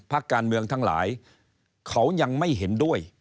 พักการเมืองทั้งหลายเขายังไม่เห็นด้วย